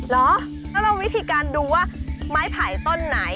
เมื่อเราวิธีการดูว่าไม้ผ่ายต้นไหน